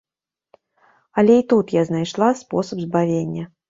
Але й тут я найшла спосаб збавення.